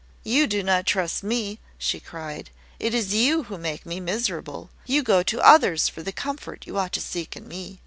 "You do not trust me," she cried; "it is you who make me miserable. You go to others for the comfort you ought to seek in me.